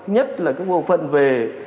nhất là bộ phận về